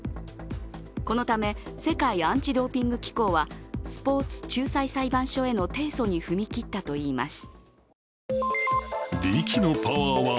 このため世界アンチドーピング機構は、スポーツ仲裁裁判所への提訴に踏み切ったといいます。